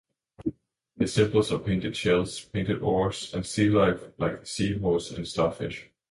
His symbols are painted shells, painted oars, and sealife like the Seahorse and Starfish.